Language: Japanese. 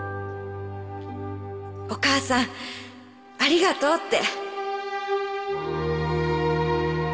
お母さんありがとうって」